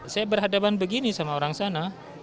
saya berhadapan begini sama orang sana